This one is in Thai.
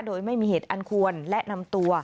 โดยไม่มีเหตุอันควรและนำตัว